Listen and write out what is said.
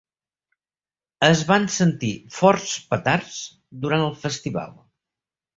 Es van sentir forts petards durant el festival.